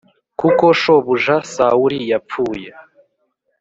kuko shobuja Sawuli yapfuye